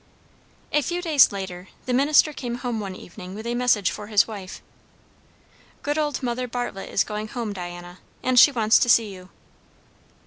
A few days later, the minister came home one evening with a message for his wife. "Good old Mother Bartlett is going home, Diana, and she wants to see you."